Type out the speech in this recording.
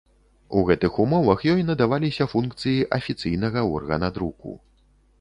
У гэтых умовах ёй надаваліся функцыі афіцыйнага органа друку.